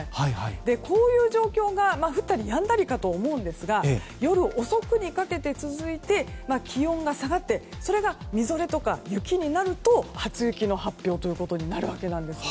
こういう状況が降ったりやんだりかと思うんですが夜遅くにかけて続いて気温が下がってそれが、みぞれとか雪になると初雪の発表になるわけです。